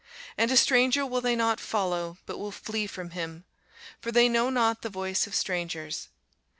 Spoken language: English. And a stranger will they not follow, but will flee from him: for they know not the voice of strangers.